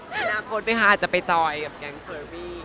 ปีนาคตมึงค่ะจะไปจอยกับแกงเพอรี่